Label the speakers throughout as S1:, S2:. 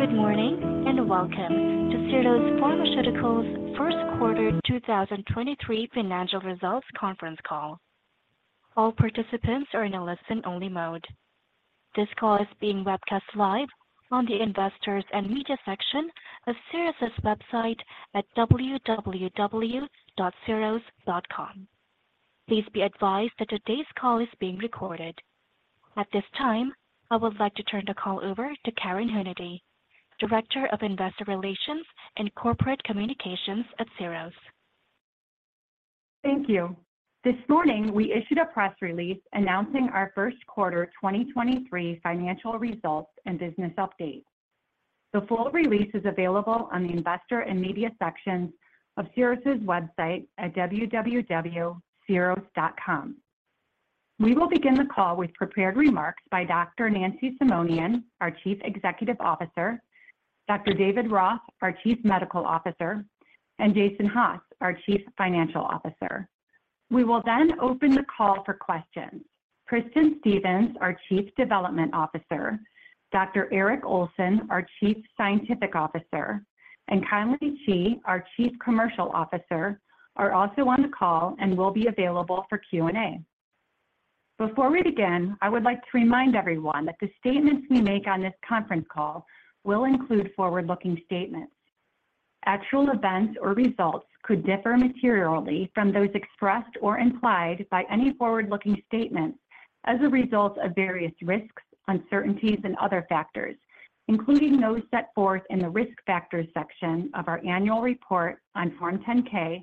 S1: Good morning, welcome to Syros Pharmaceuticals' Q1 2023 financial results conference call. All participants are in a listen-only mode. This call is being webcast live on the Investors and Media section of Syros's website at www.syros.com. Please be advised that today's call is being recorded. At this time, I would like to turn the call over to Karen Hunady, Director of Investor Relations and Corporate Communications at Syros.
S2: Thank you. This morning, we issued a press release announcing our Q1 2023 financial results and business update. The full release is available on the Investor and Media sections of Syros' website at www.syros.com. We will begin the call with prepared remarks by Dr. Nancy Simonian, our Chief Executive Officer, Dr. David Roth, our Chief Medical Officer, and Jason Haas, our Chief Financial Officer. We will then open the call for questions. Kristin Stephens, our Chief Development Officer, Dr. Eric Olson, our Chief Scientific Officer, and Conley Chee, our Chief Commercial Officer, are also on the call and will be available for Q&A. Before we begin, I would like to remind everyone that the statements we make on this conference call will include forward-looking statements. Actual events or results could differ materially from those expressed or implied by any forward-looking statements as a result of various risks, uncertainties, and other factors, including those set forth in the Risk Factors section of our annual report on Form 10-K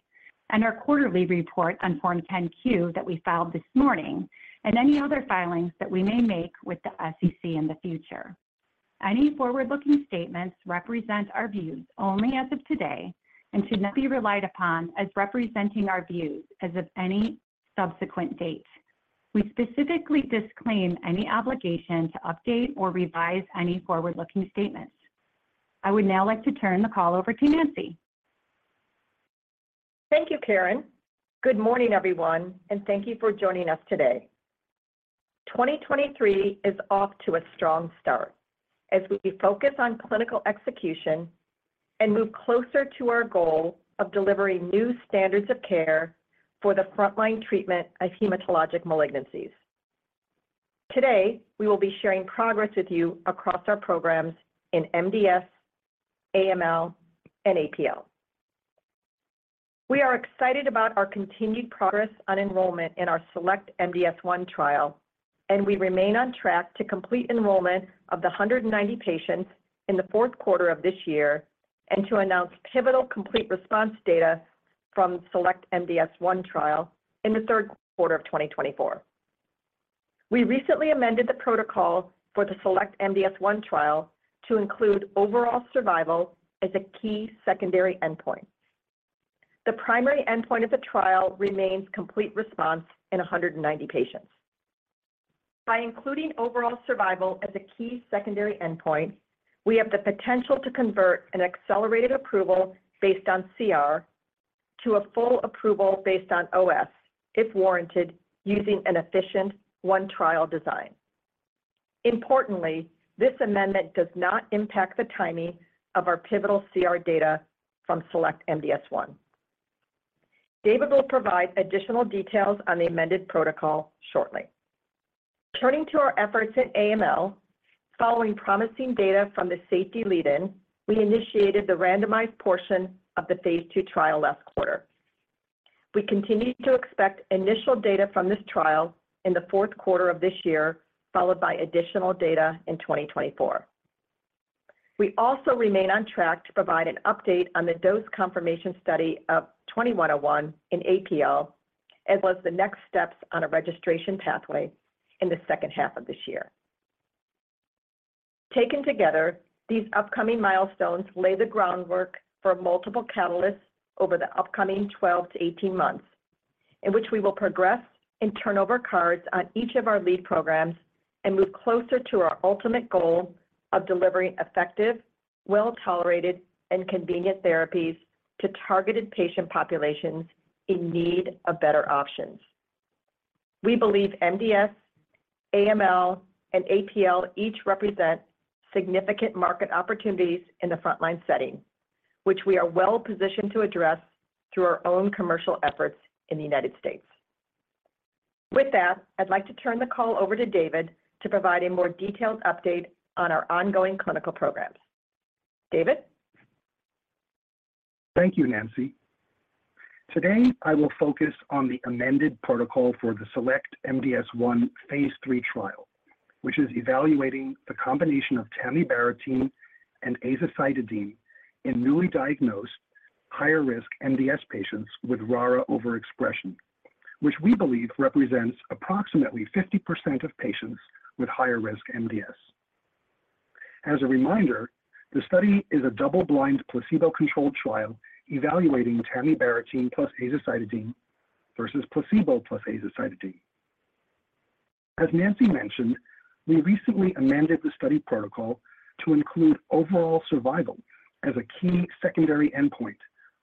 S2: and our quarterly report on Form 10-Q that we filed this morning and any other filings that we may make with the SEC in the future. Any forward-looking statements represent our views only as of today and should not be relied upon as representing our views as of any subsequent date. We specifically disclaim any obligation to update or revise any forward-looking statements. I would now like to turn the call over to Nancy.
S3: Thank you, Karen. Good morning, everyone, thank you for joining us today. 2023 is off to a strong start as we focus on clinical execution and move closer to our goal of delivering new standards of care for the frontline treatment of hematologic malignancies. Today, we will be sharing progress with you across our programs in MDS, AML, and APL. We are excited about our continued progress on enrollment in our SELECT-MDS-1 trial, and we remain on track to complete enrollment of the 190 patients in the Q4 of this year and to announce pivotal complete response data from SELECT-MDS-1 trial in the Q3 of 2024. We recently amended the protocol for the SELECT-MDS-1 trial to include overall survival as a key secondary endpoint. The primary endpoint of the trial remains complete response in 190 patients. By including overall survival as a key secondary endpoint, we have the potential to convert an accelerated approval based on CR to a full approval based on OS if warranted using an efficient 1-trial design. Importantly, this amendment does not impact the timing of our pivotal CR data from SELECT-MDS-1. David will provide additional details on the amended protocol shortly. Turning to our efforts in AML, following promising data from the safety lead-in, we initiated the randomized portion of the Q3 II trial last quarter. We continue to expect initial data from this trial in the Q4 of this year, followed by additional data in 2024. We also remain on track to provide an update on the dose confirmation study of 2101 in APL, as well as the next steps on a registration pathway in the second half of this year. Taken together, these upcoming milestones lay the groundwork for multiple catalysts over the upcoming 12 to 18 months in which we will progress and turn over cards on each of our lead programs and move closer to our ultimate goal of delivering effective, well-tolerated, and convenient therapies to targeted patient populations in need of better options. We believe MDS, AML, and APL each represent significant market opportunities in the frontline setting, which we are well-positioned to address through our own commercial efforts in the United States. With that, I'd like to turn the call over to David to provide a more detailed update on our ongoing clinical programs. David?
S4: Thank you, Nancy. Today, I will focus on the amended protocol for the SELECT-MDS-1 phase III trial, which is evaluating the combination of tamibarotene and azacitidine in newly diagnosed higher-risk MDS patients with RARA overexpression, which we believe represents approximately 50% of patients with higher-risk MDS. As a reminder, the study is a double-blind, placebo-controlled trial evaluating tamibarotene plus azacitidine versus placebo plus azacitidine. As Nancy mentioned, we recently amended the study protocol to include overall survival as a key secondary endpoint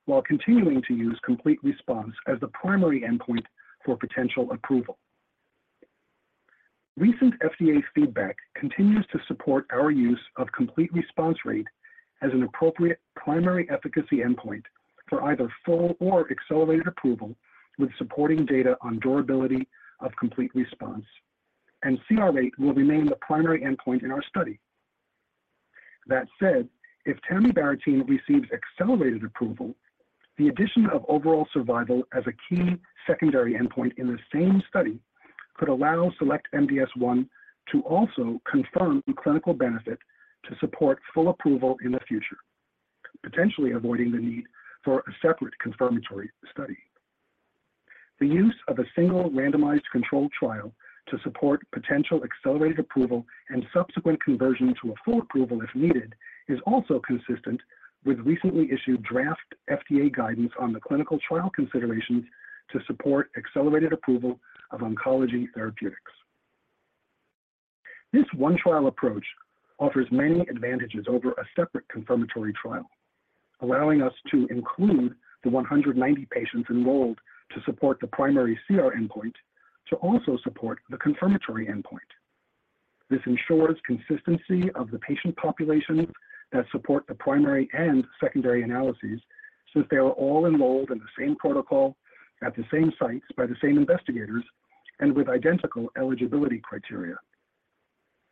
S4: while continuing to use complete response as the primary endpoint for potential approval. Recent FDA feedback continues to support our use of complete response rate as an appropriate primary efficacy endpoint for either full or accelerated approval with supporting data on durability of complete response, and CR rate will remain the primary endpoint in our study. That said, if tamibarotene receives accelerated approval, the addition of overall survival as a key secondary endpoint in the same study could allow SELECT-MDS-1 to also confirm a clinical benefit to support full approval in the future, potentially avoiding the need for a separate confirmatory study. The use of a single randomized controlled trial to support potential accelerated approval and subsequent conversion to a full approval if needed is also consistent with recently issued draft FDA guidance on the clinical trial considerations to support accelerated approval of oncology therapeutics. This one-trial approach offers many advantages over a separate confirmatory trial, allowing us to include the 190 patients enrolled to support the primary CR endpoint to also support the confirmatory endpoint. This ensures consistency of the patient populations that support the primary and secondary analyses since they were all enrolled in the same protocol at the same sites by the same investigators and with identical eligibility criteria.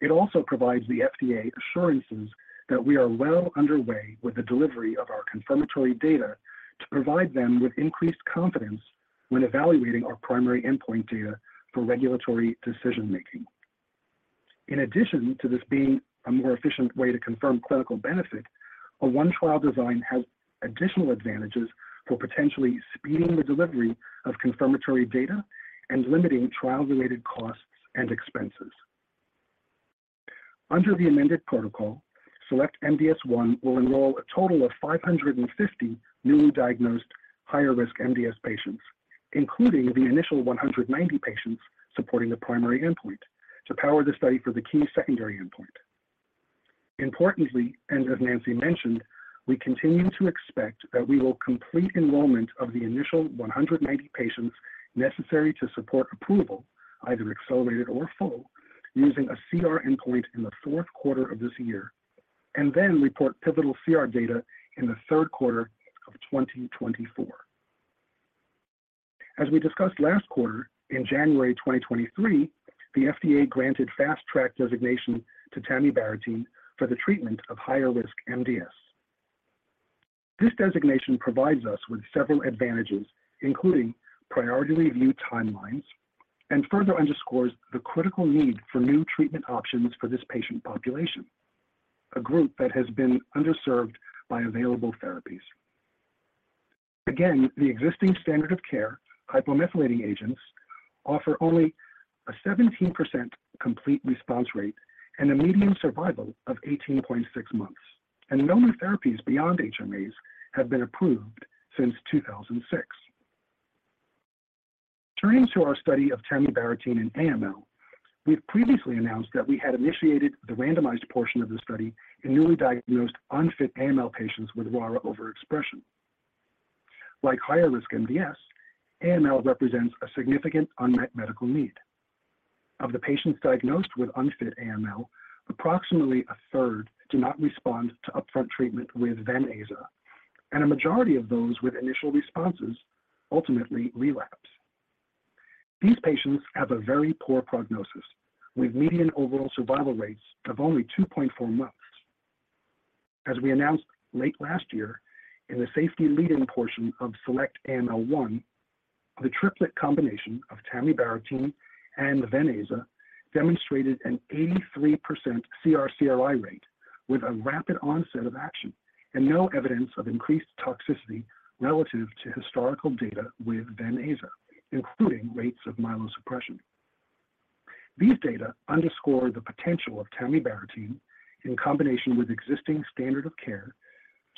S4: It also provides the FDA assurances that we are well underway with the delivery of our confirmatory data to provide them with increased confidence when evaluating our primary endpoint data for regulatory decision-making. In addition to this being a more efficient way to confirm clinical benefit, a one-trial design has additional advantages for potentially speeding the delivery of confirmatory data and limiting trial-related costs and expenses. Under the amended protocol, SELECT-MDS-1 will enroll a total of 550 newly diagnosed higher-risk MDS patients, including the initial 190 patients supporting the primary endpoint to power the study for the key secondary endpoint. Importantly, and as Nancy mentioned, we continue to expect that we will complete enrollment of the initial 190 patients necessary to support approval, either accelerated or full, using a CR endpoint in the Q4 of this year, and then report pivotal CR data in the Q3 of 2024. As we discussed last quarter, in January 2023, the FDA granted Fast Track designation to tamibarotene for the treatment of higher-risk MDS. This designation provides us with several advantages, including priority review timelines and further underscores the critical need for new treatment options for this patient population, a group that has been underserved by available therapies. Again, the existing standard of care, hypomethylating agents, offer only a 17% complete response rate and a median survival of 18.6 months, and no new therapies beyond HMAs have been approved since 2006. Turning to our study of tamibarotene in AML, we have previously announced that we had initiated the randomized portion of the study in newly diagnosed unfit AML patients with RARA overexpression. Like higher-risk MDS, AML represents a significant unmet medical need. Of the patients diagnosed with unfit AML, approximately a third do not respond to upfront treatment with Ven+Aza, and a majority of those with initial responses ultimately relapse. These patients have a very poor prognosis, with median overall survival rates of only 2.4 months. As we announced late last year in the safety lead-in portion of SELECT-AML-1, the triplet combination of tamibarotene and Ven+Aza demonstrated an 83% CR/CRI rate with a rapid onset of action and no evidence of increased toxicity relative to historical data with Ven+Aza, including rates of myelosuppression. These data underscore the potential of tamibarotene in combination with existing standard of care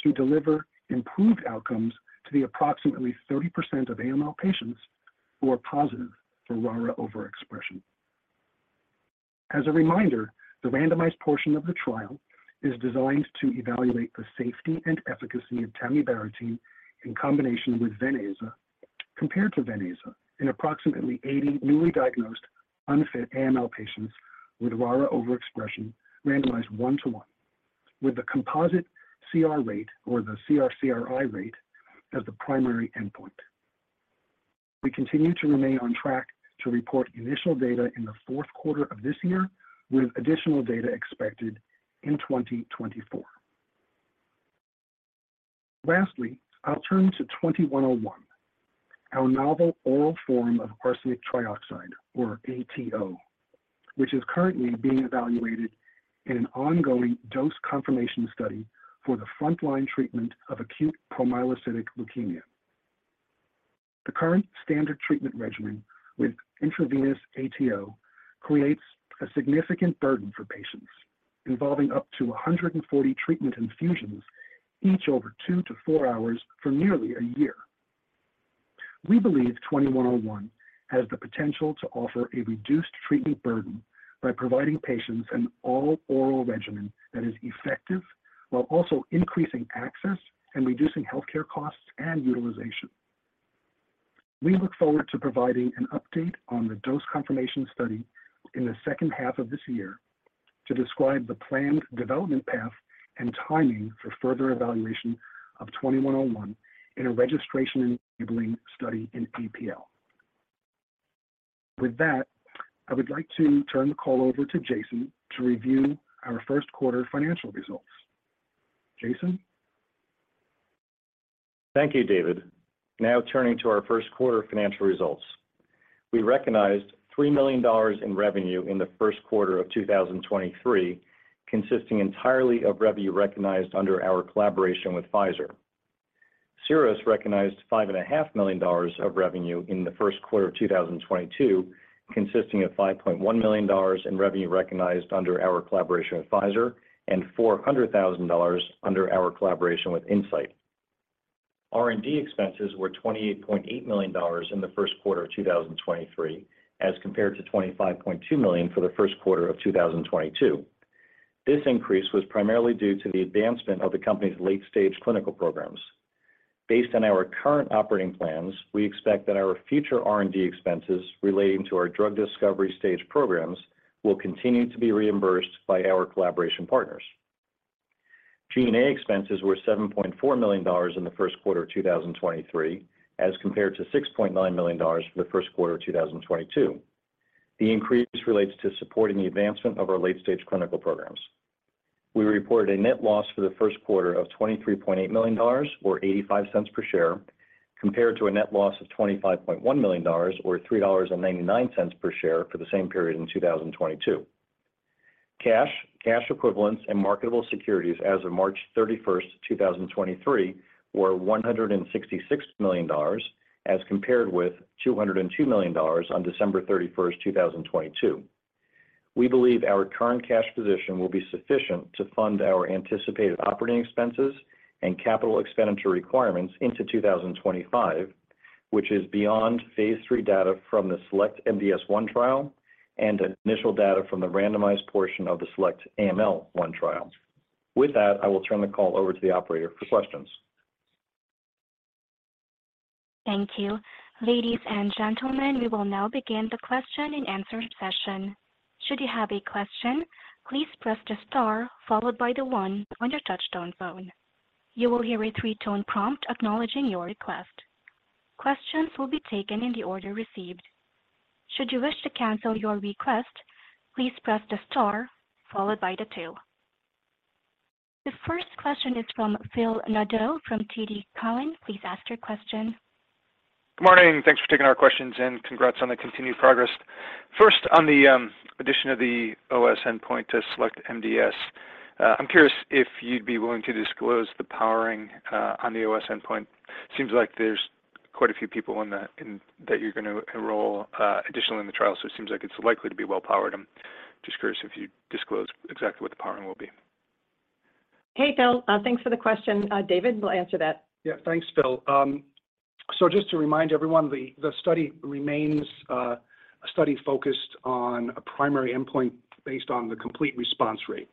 S4: to deliver improved outcomes to the approximately 30% of AML patients who are positive for RARA overexpression. The randomized portion of the trial is designed to evaluate the safety and efficacy of tamibarotene in combination with venaza compared to venaza in approximately 80 newly diagnosed unfit AML patients with RARA overexpression randomized one-to-one with the composite CR rate or the CR/CRI rate as the primary endpoint. We continue to remain on track to report initial data in the Q4 of this year, with additional data expected in 2024. I'll turn to SY-2101, our novel oral form of arsenic trioxide, or ATO, which is currently being evaluated in an ongoing dose confirmation study for the frontline treatment of acute promyelocytic leukemia. The current standard treatment regimen with intravenous ATO creates a significant burden for patients, involving up to 140 treatment infusions, each over 2-4 hours for nearly a year. We believe SY-2101 has the potential to offer a reduced treatment burden by providing patients an all-oral regimen that is effective while also increasing access and reducing healthcare costs and utilization. We look forward to providing an update on the dose confirmation study in the second half of this year to describe the planned development path and timing for further evaluation of SY-2101 in a registration-enabling study in APL. With that, I would like to turn the call over to Jason to review our Q1 financial results. Jason?
S5: Thank you, David. Now turning to our Q1 financial results. We recognized $3 million in revenue in the Q1 of 2023, consisting entirely of revenue recognized under our collaboration with Pfizer. Syros recognized $5.5 million of revenue in the Q1 of 2022, consisting of $5.1 million in revenue recognized under our collaboration with Pfizer and $400,000 under our collaboration with Incyte. R&D expenses were $28.8 million in the Q1 of 2023, as compared to $25.2 million for the Q1 of 2022. This increase was primarily due to the advancement of the company's late-stage clinical programs. Based on our current operating plans, we expect that our future R&D expenses relating to our drug discovery stage programs will continue to be reimbursed by our collaboration partners. G&A expenses were $7.4 million in the Q1 of 2023, as compared to $6.9 million for the Q1 of 2022. The increase relates to supporting the advancement of our late-stage clinical programs. We reported a net loss for the Q1 of $23.8 million, or $0.85 per share, compared to a net loss of $25.1 million, or $3.99 per share for the same period in 2022. Cash, cash equivalents, and marketable securities as of March 31st, 2023 were $166 million, as compared with $202 million on December 31st, 2022. We believe our current cash position will be sufficient to fund our anticipated operating expenses and capital expenditure requirements into 2025, which is beyond phase III data from the SELECT-MDS-1 trial and initial data from the randomized portion of the SELECT-AML-1 trial. With that, I will turn the call over to the operator for questions.
S1: Thank you. Ladies and gentlemen, we will now begin the question and answer session. Should you have a question, please press the star followed by the one on your touchtone phone. You will hear a three-tone prompt acknowledging your request. Questions will be taken in the order received. Should you wish to cancel your request, please press the star followed by the two. The first question is from Phil Nadeau from TD Cowen. Please ask your question.
S6: Good morning. Thanks for taking our questions, and congrats on the continued progress. First, on the addition of the OS endpoint to SELECT-MDS, I'm curious if you'd be willing to disclose the powering on the OS endpoint. Seems like there's quite a few people in that you're gonna enroll additionally in the trial, so it seems like it's likely to be well-powered. I'm just curious if you'd disclose exactly what the powering will be.
S3: Hey, Phil. Thanks for the question. David will answer that.
S4: Yeah. Thanks, Phil. Just to remind everyone, the study remains a study focused on a primary endpoint based on the complete response rate.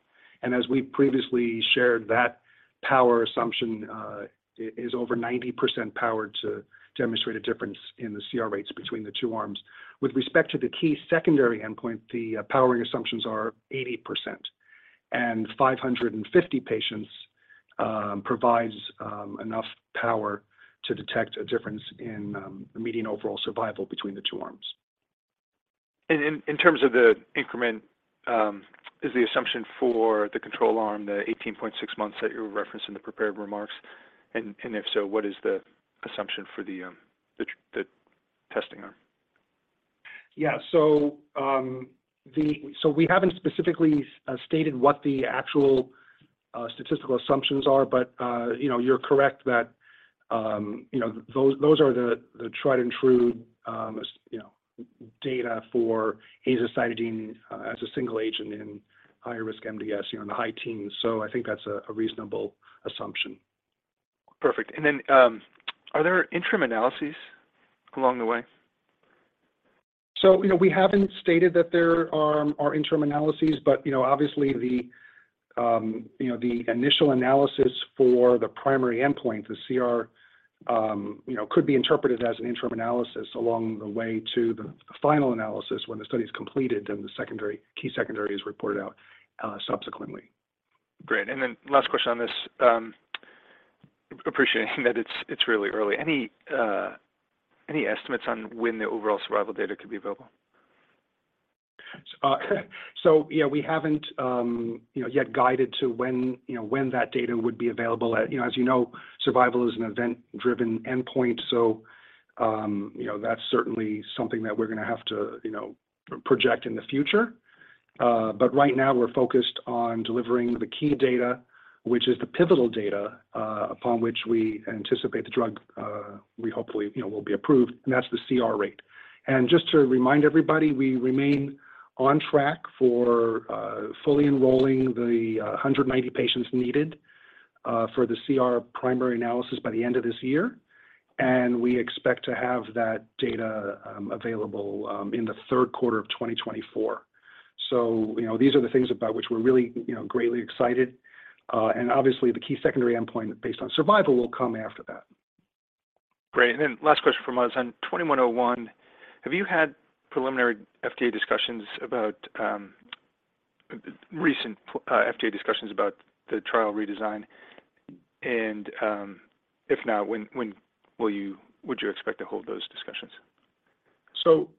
S4: As we previously shared, that power assumption is over 90% powered to demonstrate a difference in the CR rates between the two arms. With respect to the key secondary endpoint, the powering assumptions are 80%. 550 patients provides enough power to detect a difference in the median overall survival between the two arms.
S6: In terms of the increment, is the assumption for the control arm the 18.6 months that you were referencing in the prepared remarks? If so, what is the assumption for the testing arm?
S4: Yeah. We haven't specifically stated what the actual statistical assumptions are, but, you know, you're correct that, you know, those are the tried and true, you know, data for azacitidine as a single agent in higher risk MDS, you know, in the high teens. I think that's a reasonable assumption.
S6: Perfect. Then, are there interim analyses along the way?
S4: You know, we haven't stated that there are interim analyses, but, you know, obviously the, you know, the initial analysis for the primary endpoint, the CR, you know, could be interpreted as an interim analysis along the way to the final analysis when the study's completed, and the secondary, key secondary is reported out subsequently.
S6: Great. Last question on this. Appreciating that it's really early. Any estimates on when the overall survival data could be available?
S4: You know, we haven't, you know, yet guided to when, you know, when that data would be available. You know, as you know, survival is an event-driven endpoint, so, you know, that's certainly something that we're gonna have to, you know, project in the future. Right now we're focused on delivering the key data, which is the pivotal data, upon which we anticipate the drug, we hopefully, you know, will be approved, and that's the CR rate. Just to remind everybody, we remain on track for fully enrolling the 190 patients needed for the CR primary analysis by the end of this year. We expect to have that data available in the Q3 of 2024. You know, these are the things about which we're really, you know, greatly excited. Obviously the key secondary endpoint based on survival will come after that.
S6: Great. Last question from us. On SY-2101, have you had preliminary FDA discussions about recent FDA discussions about the trial redesign? If not, when would you expect to hold those discussions?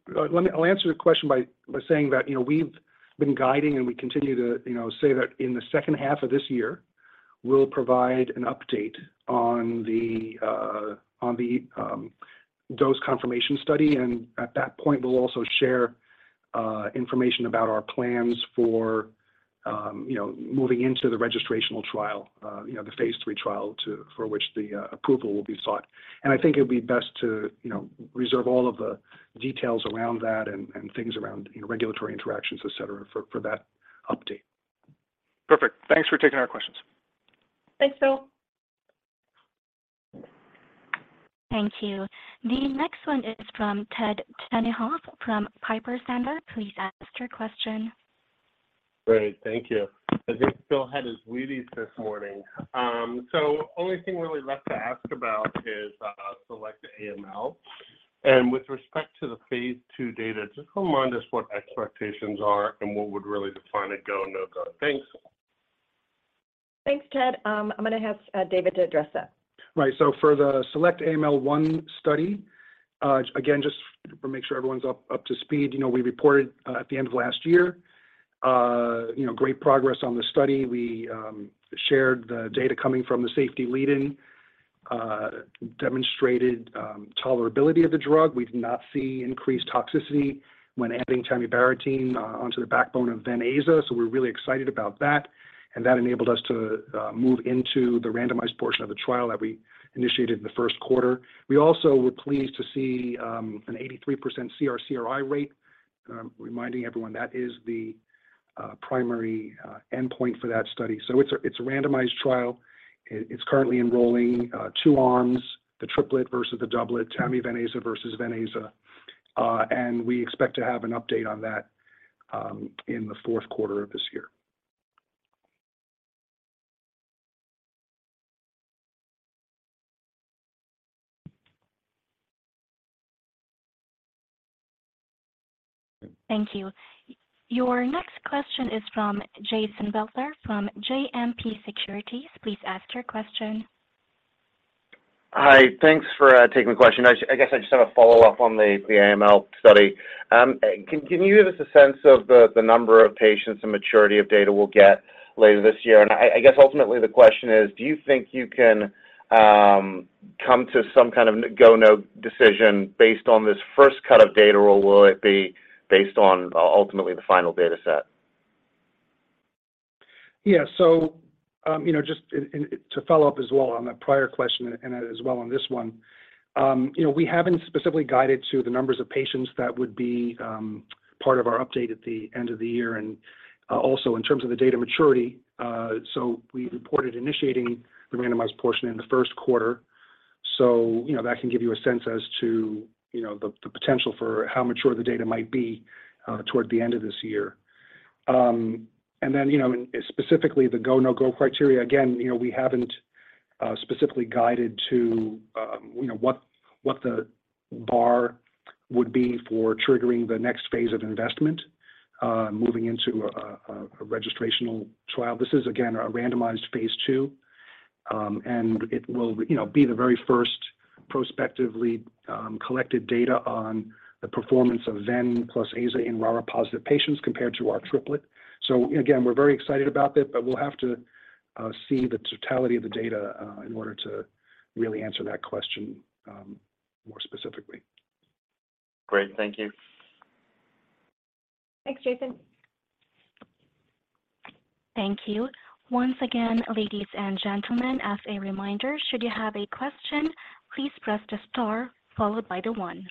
S4: Let me answer the question by saying that, you know, we've been guiding, and we continue to, you know, say that in the second half of this year we'll provide an update on the dose confirmation study. At that point, we'll also share information about our plans for moving into the registrational trial, the phase III trial for which the approval will be sought. I think it would be best to, you know, reserve all of the details around that and things around, you know, regulatory interactions, et cetera, for that update.
S6: Perfect. Thanks for taking our questions.
S3: Thanks, Phil.
S1: Thank you. The next one is from Edward (Ted) Tenthoff from Piper Sandler. Please ask your question.
S7: Great. Thank you. I think Phil had his Wheaties this morning. Only thing really left to ask about is Select AML. With respect to the phase II data, just remind us what expectations are and what would really define a go, no-go. Thanks.
S3: Thanks, Ted. I'm gonna have David to address that.
S4: Right. For the SELECT-AML-1 study, again, just to make sure everyone's up to speed, you know, we reported at the end of last year, you know, great progress on the study. We shared the data coming from the safety lead-in, demonstrated tolerability of the drug. We did not see increased toxicity when adding tamibarotene onto the backbone of venetoclax. We're really excited about that, and that enabled us to move into the randomized portion of the trial that we initiated in the Q1. We also were pleased to see an 83% CR/CRI rate. Reminding everyone that is the primary endpoint for that study. It's a randomized trial. It's currently enrolling, two arms, the triplet versus the doublet, tami-ven-aza versus venetoclax, and we expect to have an update on that, in the Q4 of this year.
S1: Thank you. Your next question is from Jason Butler from JMP Securities. Please ask your question.
S8: Hi. Thanks for taking the question. I guess I just have a follow-up on the AML study. Can you give us a sense of the number of patients and maturity of data we'll get later this year? I guess ultimately the question is: Do you think you can come to some kind of go, no decision based on this first cut of data, or will it be based on ultimately the final data set?
S4: You know, just and to follow up as well on that prior question and as well on this one, you know, we haven't specifically guided to the numbers of patients that would be part of our update at the end of the year and also in terms of the data maturity. We reported initiating the randomized portion in the Q1. You know, that can give you a sense as to, you know, the potential for how mature the data might be toward the end of this year. Then, you know, and specifically the go, no-go criteria, again, you know, we haven't specifically guided to, you know, what the bar would be for triggering the next phase of investment, moving into a registrational trial. This is again a randomized phase II. It will, you know, be the very first prospectively collected data on the performance of ven plus aza in RARA-positive patients compared to our triplet. Again, we're very excited about that, but we'll have to see the totality of the data in order to really answer that question more specifically.
S8: Great. Thank you.
S3: Thanks, Jason.
S1: Thank you. Once again, ladies and gentlemen, as a reminder, should you have a question, please press the star followed by the 1.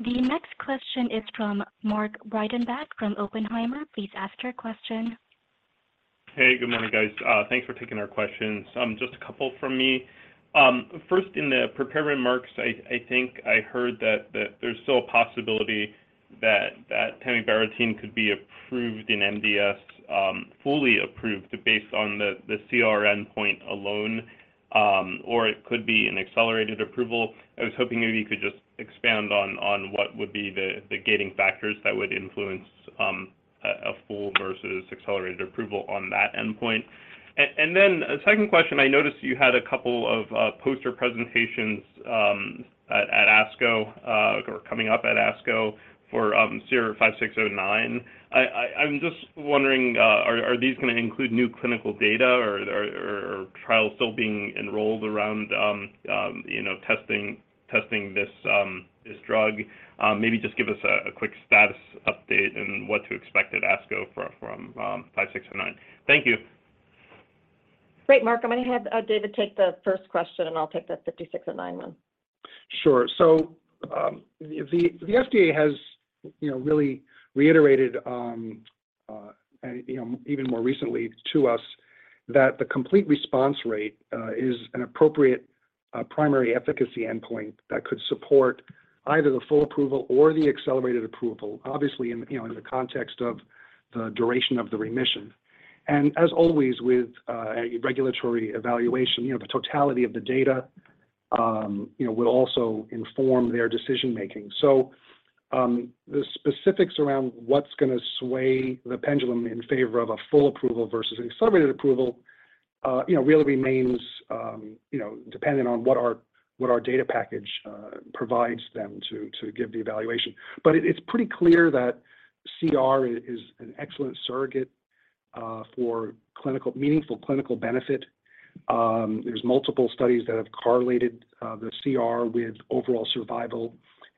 S1: The next question is from Mark Breidenbach from Oppenheimer. Please ask your question.
S9: Hey, good morning, guys. Thanks for taking our questions. Just a couple from me. First in the prepared remarks, I think I heard that there's still a possibility that tamibarotene could be approved in MDS, fully approved based on the CR endpoint alone, or it could be an accelerated approval. I was hoping maybe you could just expand on what would be the gating factors that would influence a full versus accelerated approval on that endpoint. A second question, I noticed you had a couple of poster presentations at ASCO, or coming up at ASCO for SY-5609. I'm just wondering, are these gonna include new clinical data or trials still being enrolled around, you know, testing this drug? Maybe just give us a quick status update and what to expect at ASCO for SY-5609. Thank you.
S3: Great, Mark. I'm gonna have David take the first question, and I'll take the SY-5609.
S4: Sure. The FDA has, you know, really reiterated, and you know, even more recently to us that the complete response rate is an appropriate primary efficacy endpoint that could support either the full approval or the accelerated approval, obviously in, you know, in the context of the duration of the remission. As always with a regulatory evaluation, you know, the totality of the data, you know, will also inform their decision-making. The specifics around what's gonna sway the pendulum in favor of a full approval versus an accelerated approval, you know, really remains, you know, dependent on what our data package provides them to give the evaluation. It, it's pretty clear that CR is an excellent surrogate for meaningful clinical benefit. There's multiple studies that have correlated the CR with overall survival.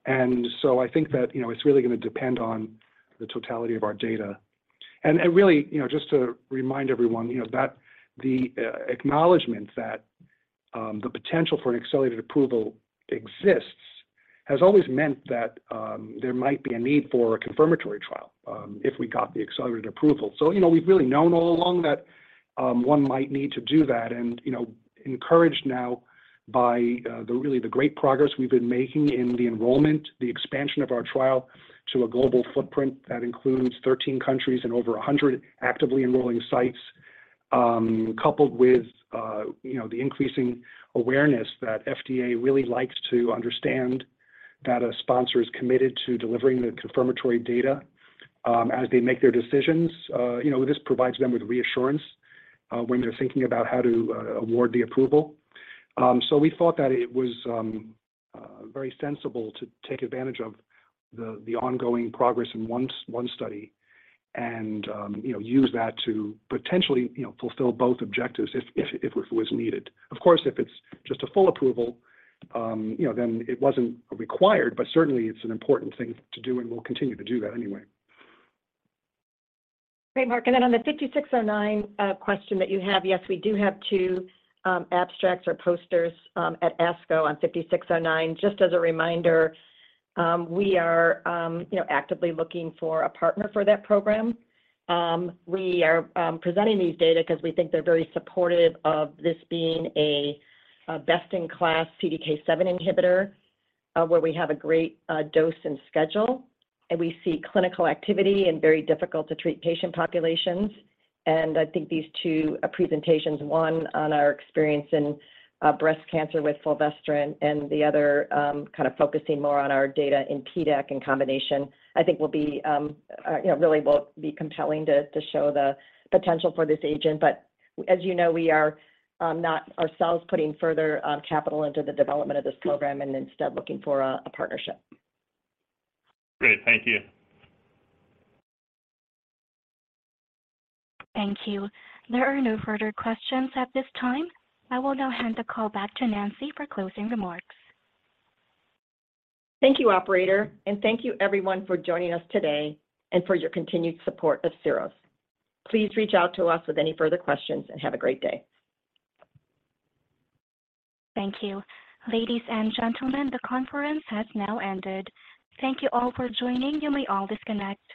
S4: I think that, you know, it's really gonna depend on the totality of our data. Really, you know, just to remind everyone, you know, that the acknowledgement that the potential for an accelerated approval exists has always meant that there might be a need for a confirmatory trial if we got the accelerated approval. You know, we've really known all along that one might need to do that and, you know, encouraged now by the really, the great progress we've been making in the enrollment, the expansion of our trial to a global footprint that includes 13 countries and over 100 actively enrolling sites, coupled with, you know, the increasing awareness that FDA really likes to understand that a sponsor is committed to delivering the confirmatory data as they make their decisions. You know, this provides them with reassurance when they're thinking about how to award the approval. We thought that it was very sensible to take advantage of the ongoing progress in one study and, you know, use that to potentially, you know, fulfill both objectives if it was needed. Of course, if it's just a full approval, you know, then it wasn't required, but certainly it's an important thing to do, and we'll continue to do that anyway.
S3: Great, Mark. On the SY-5609 question that you have, yes, we do have two abstracts or posters at ASCO on SY-5609. Just as a reminder, we are, you know, actively looking for a partner for that program. We are presenting these data 'cause we think they're very supportive of this being a best-in-class CDK7 inhibitor, where we have a great dose and schedule, and we see clinical activity in very difficult-to-treat patient populations. I think these two presentations, one on our experience in breast cancer with Fulvestrant and the other kind of focusing more on our data in PDAC in combination, I think will be, you know, really will be compelling to show the potential for this agent. As you know, we are not ourselves putting further capital into the development of this program and instead looking for a partnership.
S9: Great. Thank you.
S1: Thank you. There are no further questions at this time. I will now hand the call back to Nancy for closing remarks.
S3: Thank you, operator, thank you everyone for joining us today and for your continued support of Syros. Please reach out to us with any further questions, and have a great day.
S1: Thank you. Ladies and gentlemen, the conference has now ended. Thank you all for joining. You may all disconnect.